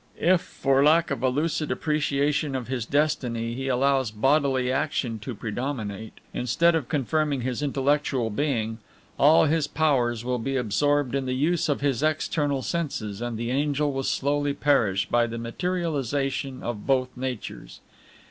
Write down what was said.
If, for lack of a lucid appreciation of his destiny, he allows bodily action to predominate, instead of confirming his intellectual being, all his powers will be absorbed in the use of his external senses, and the angel will slowly perish by the materialization of both natures.